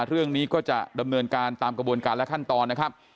เรื่องนี้ก็จะดำเนินการตามกระบวนการและขั้นตอนนะครับ